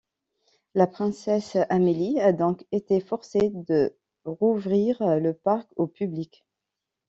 La princesse Amélie a donc été forcée de rouvrir le parc au public.